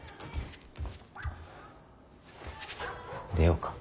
出ようか。